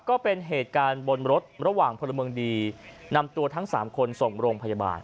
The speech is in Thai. ก็เป็นเหตุการณ์บนรถระหว่างพลเมืองดีนำตัวทั้งสามคนส่งโรงพยาบาล